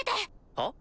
はっ？